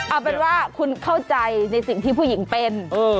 เอาเป็นว่าคุณเข้าใจในสิ่งที่ผู้หญิงเป็น